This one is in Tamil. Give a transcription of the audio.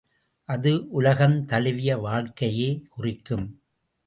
அது உலகந்தழுவிய வாழ்க்கையையே குறிக்கும்.